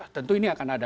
tentu ini akan ada